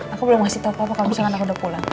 aku belum ngasih tau papa kalau misalnya anak udah pulang